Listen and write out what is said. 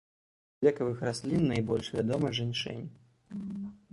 З лекавых раслін найбольш вядомы жэньшэнь.